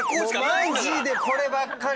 マジでこればっかりは。